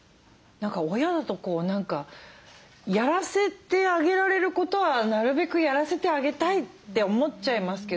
親だと何かやらせてあげられることはなるべくやらせてあげたいって思っちゃいますけど。